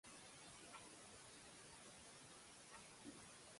Satya Krishnan and Kasi Viswanath were chosen for the main roles.